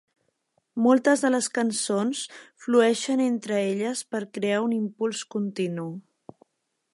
Moltes de les cançons flueixen entre elles per crear un impuls continu.